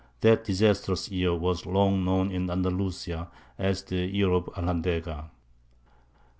That disastrous year was long known in Andalusia as the "Year of Alhandega."